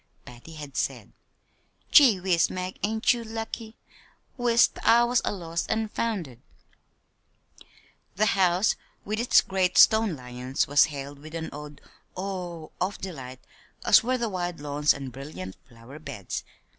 Patty had said: "Gee whiz, Mag, ain't you lucky? Wis't I was a lost an' founded!" The house with its great stone lions was hailed with an awed "oh h!" of delight, as were the wide lawns and brilliant flower beds.